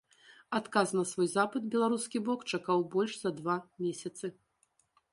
Адказ на свой запыт беларускі бок чакаў больш за два месяцы.